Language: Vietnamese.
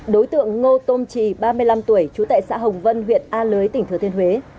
đối tượng ngô tôn trì ba mươi năm tuổi trú tại xã hồng vân huyện a lưới tỉnh thừa thiên huế